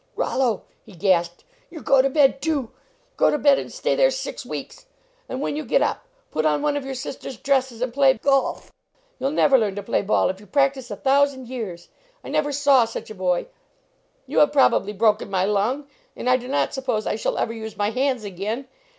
"Rollo," he gasped, "you go to bed too! Go to bed and stay there six weeks. And when you get up, put on one of your 72 LEARNING TO PLAY sister s dresses and play golf. You ll never learn to play ball if you practice a thousand years. I never saw such a boy. You have probably broken my lung. And I do not suppose I shall ever use my hands again.